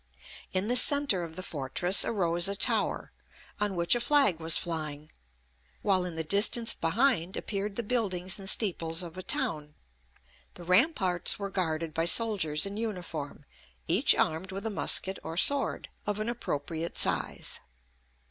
In the centre of the fortress arose a tower, on which a flag was flying; while in the distance behind appeared the buildings and steeples of a town. The ramparts were guarded by soldiers in uniform, each armed with a musket or sword, of an appropriate size.